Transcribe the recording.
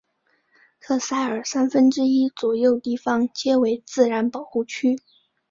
特塞尔三分之一左右地方皆为自然保护区。